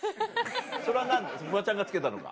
それはフワちゃんが付けたのか？